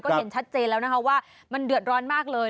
เห็นชัดเจนแล้วนะคะว่ามันเดือดร้อนมากเลย